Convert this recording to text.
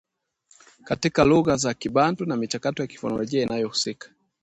katika lugha za kibantu na michakato ya kifonolojia inayohusika